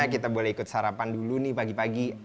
kita boleh ikut sarapan dulu nih pagi pagi